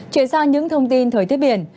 chuyển sang những thông tin thời tiết biển